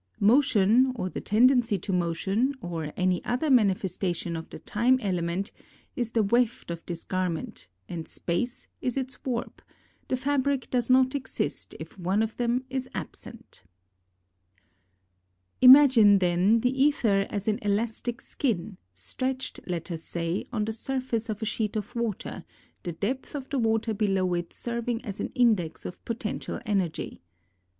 Motion, or the tendency to motion, or any other manifestation ofc the time element, is the weft of this garment and space is its warp ; the fabric does not exist if one of them is absent. AND RE LATI VI T Y 7 Imagine, then, the aether as an elastic skin, stretched, let us say, on the surface of a sheet of w^ter, the depth of the water below it serving as an index of potential energy.